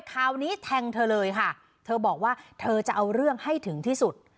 คราวนี้แทงเธอเลยค่ะเธอบอกว่าเธอจะเอาเรื่องให้ถึงที่สุด